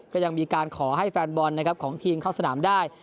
ก็ยังมีการขอให้แฟนบอลนะครับของทีมเข้าสนามได้